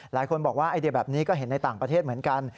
หลายคนบอกว่าไอเดียแบบนี้ก็เห็นในต่างประเทศเหมือนกัน